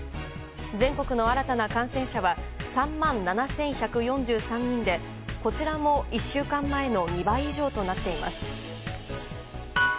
全国の新たな感染者は３万７１４３人でこちらも１週間前の２倍以上となっています。